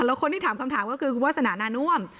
แล้วคนที่ถามคำถามก็คือคุณวาสนานาน่วม